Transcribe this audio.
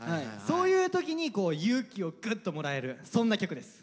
そういう時に勇気をぐっともらえるそんな曲です。